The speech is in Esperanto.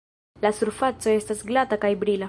La surfaco estas glata kaj brila.